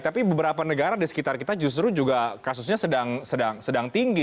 karena di sekitar kita justru juga kasusnya sedang tinggi